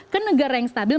ke negara yang stabil